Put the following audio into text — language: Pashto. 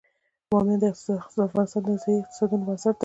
بامیان د افغانستان د ځایي اقتصادونو بنسټ دی.